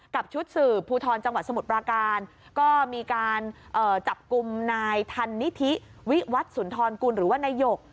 กับชุดสืบภูทรจังหวัดสมุทรปราการก็มีการจับกลุ่มนายทันนิธิวิวัตรสุนทรกุลหรือว่านายก